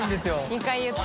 ２回言った。